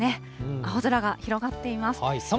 青空が広がっています。